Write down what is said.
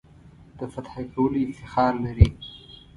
د فتح کولو افتخار لري.